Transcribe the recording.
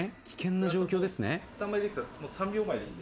危険な状況ですね？